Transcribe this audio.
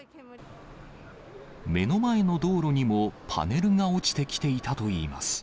目の前の道路にもパネルが落ちてきていたといいます。